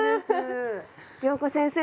謠子先生